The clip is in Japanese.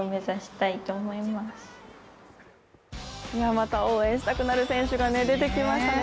また応援したくなる選手が出てきましたね。